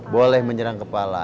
boleh menyerang kepala